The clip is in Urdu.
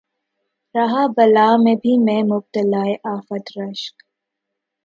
رہا بلا میں بھی میں مبتلائے آفت رشک